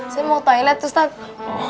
saya mau toilet ustadz